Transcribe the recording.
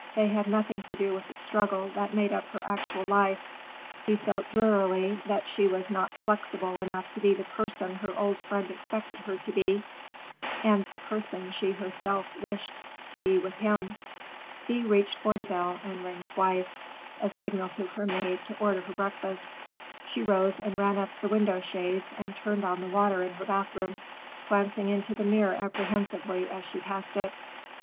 They had nothing to do with the struggle that made up her actual life. She felt drearily that she was not flexible enough to be the person her old friend expected her to be, the person she herself wished to be with him. Thea reached for the bell and rang twice,—a signal to her maid to order her breakfast. She rose and ran up the window shades and turned on the water in her bathroom, glancing into the mirror apprehensively as she passed it.